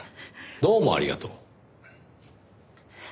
どうもありがとう。